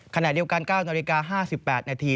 ขณะเดียวกัน๙นาฬิกา๕๘นาที